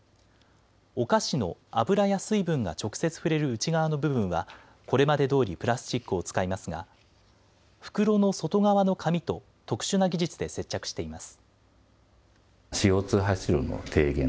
お菓子の油や水分が直接触れる内側の部分はこれまでどおりプラスチックを使いますが袋の外側の紙と特殊な技術で接着しています。